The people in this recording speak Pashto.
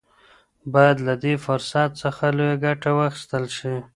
باید له دې فرصت څخه لویه ګټه واخیستل شي.